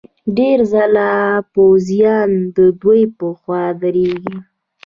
ډېر ځله پوځیان ددوی په خوا درېږي.